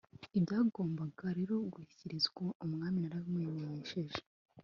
ibyagombaga rero gushyikirizwa umwami narabimumenyesheje